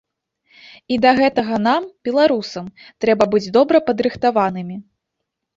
І да гэтага нам, беларусам, трэба быць добра падрыхтаванымі.